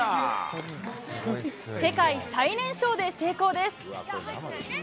世界最年少で成功です。